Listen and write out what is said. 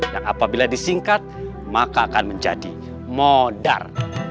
yang apabila disingkat maka akan menjadi modar